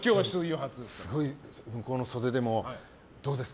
すごい、向こうの袖でもどうですか？